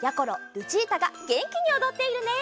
ルチータがげんきにおどっているね。